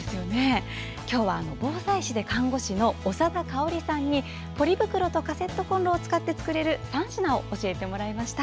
今日は防災士で看護師の長田香さんにポリ袋とカセットコンロを使って作れる３品を教えてもらいました。